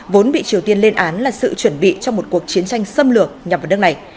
vốn bị triều tiên lên án là sự chuẩn bị cho một cuộc chiến tranh xâm lược nhằm vào nước này